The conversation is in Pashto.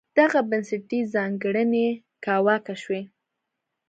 دغه بنسټي ځانګړنې کاواکه شوې.